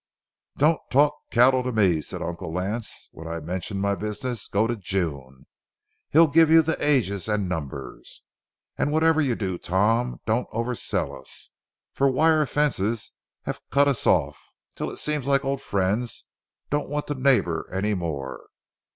"Don't talk cattle to me," said Uncle Lance, when I mentioned my business; "go to June—he'll give you the ages and numbers. And whatever you do, Tom, don't oversell us, for wire fences have cut us off, until it seems like old friends don't want to neighbor any more.